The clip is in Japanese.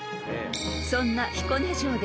［そんな彦根城で］